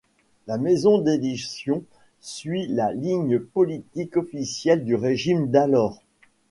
La maison d'édition suit la ligne politique officielle du régime d'alors.